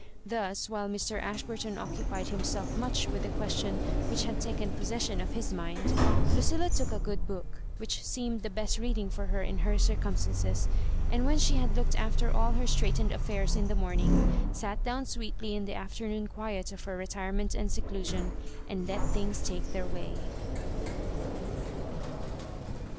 Thus, while Mr. Ashburton occupied hime^plf much with the question which had taken possession of his mind, Lucilla took a good book, which seemed the best reading for her in her circumstances, and when she had looked after all her straitened affairs Ia the morning, sat down sweetly in the afternoon quiet of her retirement and seclusion, and let things take their way.